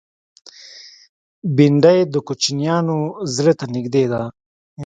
بېنډۍ د کوچنیانو زړه ته نږدې ده